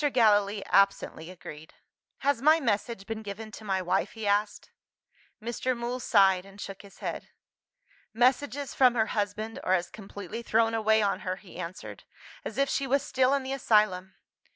Gallilee absently agreed. "Has my message been given to my wife?" he asked. Mr. Mool sighed and shook his head. "Messages from her husband are as completely thrown away on her," he answered, "as if she was still in the asylum.